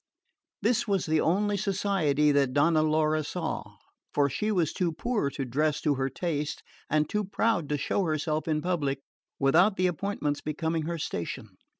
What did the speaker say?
This was the only society that Donna Laura saw; for she was too poor to dress to her taste and too proud to show herself in public without the appointments becoming her station.